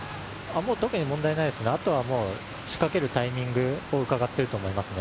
特に問題ないですね、あとは仕掛けるタイミングを伺っていると思いますね。